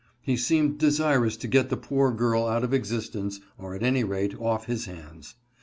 He seemed desirous to get the poor girl out of existence, or at any rate off his hands.